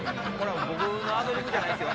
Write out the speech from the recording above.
僕のアドリブじゃないですよ。